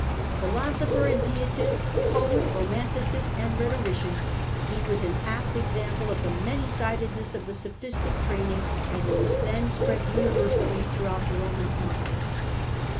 Phi losopher and pietist, poet, romanticist, and rhetorician,, he was an apt example of the manysidedness of the sophistic training, as it was then spread universally throughout the Roman Empire.